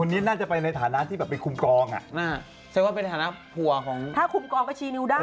ทีรีย์นั้นก็คือลครนะสหกของอี้หนู